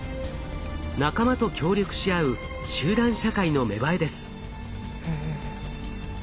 仲間と協力し合う集団社会の芽生えです。